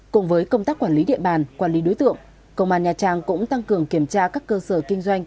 cùng với công tác quản lý địa bàn quản lý đối tượng công an nha trang cũng tăng cường kiểm tra các cơ sở kinh doanh